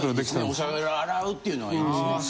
お皿洗うっていうのがいいですね。